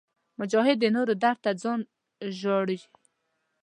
مجاهد د نورو درد ته ځان ژاړي.